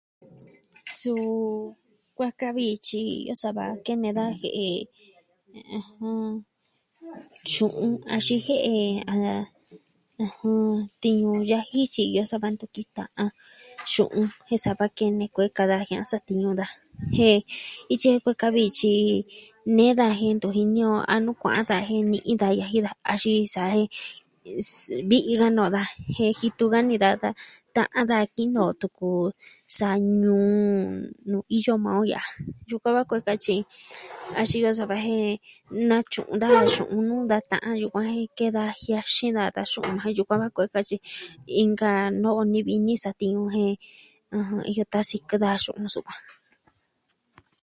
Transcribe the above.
Suu kuaa ka vi tyi iyo sava kene daa jie'e, ɨjɨn... xu'un axin je'e a tiñu yaji tyi iyo sava ntu ki ta'an. Xu'un jen kene kueka da jiaa satiñu daa jen, ityi kueka vi tyi nee da jin ntu jini o a nuu kua'an tan jee ni inka yaji da, axin sa jen, s... vii iin ka no'o daa. Jen jitu ka ni daa ta'an d tinoo tuku... sa ñuu... nuu iyo maa o ya'a. Yukua va kue'e ka tyi axin iyo sava jen.. natyu'un da xu'un nu da ta'an yukuan jen ke'en da jiaa xeen da ka yukuan va kue'e katyi. Inka no'o ni vi ni satiñu jen, ɨjɨn, iyo ka sikɨ daa xu'un sukuan.